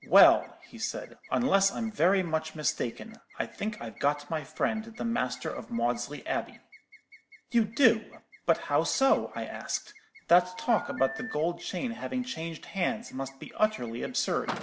"'Well,' he said, 'unless I'm very much mistaken, I think I've got my friend the master of Maudesley Abbey.' "'You do: but how so?' I asked. 'That talk about the gold chain having changed hands must be utterly absurd.